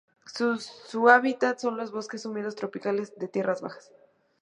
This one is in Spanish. Su hábitat son los bosques húmedos tropicales de tierras bajas.